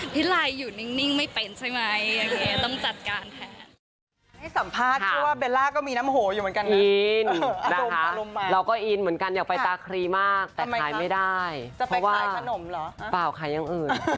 ไลอยู่นิ่งไม่เป็นใช่ไหมต้องจัดการแทน